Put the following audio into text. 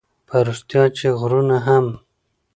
په رښتیا چې غرونه هم